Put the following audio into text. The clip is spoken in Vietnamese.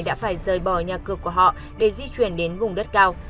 đã phải rời bỏ nhà cửa của họ để di chuyển đến vùng đất cao